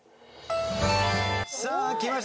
さあきました。